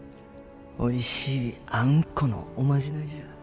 おいしいあんこのおまじないじゃ。